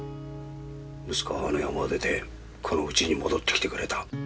息子はあの山を出てこのうちに戻ってきてくれた。